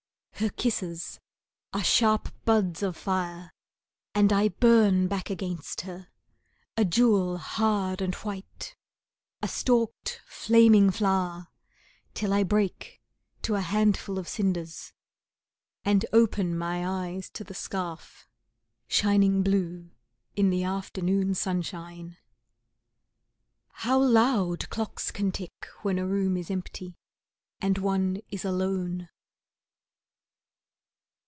Her kisses are sharp buds of fire; and I burn back against her, a jewel Hard and white; a stalked, flaming flower; till I break to a handful of cinders, And open my eyes to the scarf, shining blue in the afternoon sunshine. How loud clocks can tick when a room is empty, and one is alone!